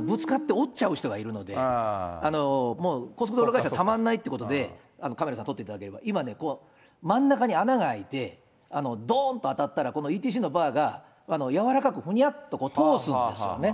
ぶつかって折っちゃう人がいるので、高速道路会社、たまらないということで、カメラさん撮っていただければ、今ね、真ん中に穴が開いて、どーんと当たったら、ＥＴＣのバーが柔らかくふにゃっと通すんですよね。